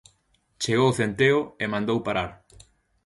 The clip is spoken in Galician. Chegou Centeo, e mandou parar.